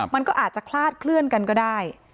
มันก็อาจจะคลาดเคลื่อนกันก็ได้